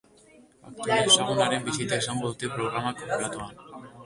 Aktore ezagunaren bisita izango dute programako platoan.